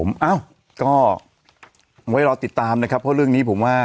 ก็ต้องรวบติดตามนะครับเพราะเรื่องนี้ผมว่า